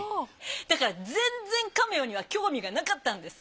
だから全然カメオには興味がなかったんです。